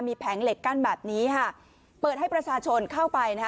มีแผงเหล็กกั้นแบบนี้ค่ะเปิดให้ประชาชนเข้าไปนะคะ